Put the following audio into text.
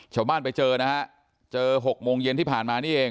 ชาวบ้านไปเจอนะฮะเจอ๖โมงเย็นที่ผ่านมานี่เอง